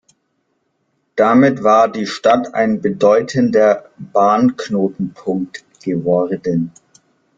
Damit war die Stadt ein bedeutender Bahnknotenpunkt geworden.